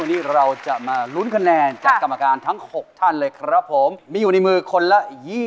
ถ้าพร้อมแล้วเชิญลงคะแนนเลย